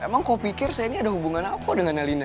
emang kau pikir saya ini ada hubungan aku dengan elina